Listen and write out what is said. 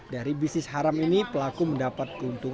dari bisnis haram ini pelaku mendapatkan uang